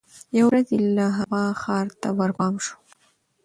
یوه ورځ یې له هوا ښار ته ورپام سو